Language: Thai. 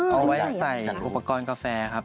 เอาไว้ใส่อุปกรณ์กาแฟครับ